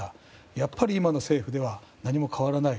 やっぱり今の政府では何も変わらない。